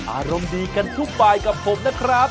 อารมณ์ดีกันทุกบายกับผมนะครับ